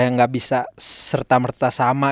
yang gak bisa serta merta sama